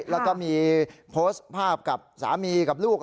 แล้วก็มีโพสต์ภาพกับสามีกับลูก